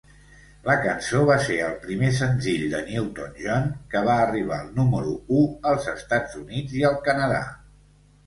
La cançó va ser el primer senzill de Newton-John que va arribar al número u als Estats Units i al Canadà.